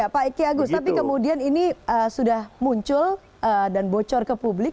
pak ikyagus tapi kemudian ini sudah muncul dan bocor ke publik